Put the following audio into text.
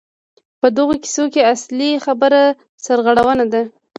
په دغو کیسو کې اصلي خبره سرغړونه ده.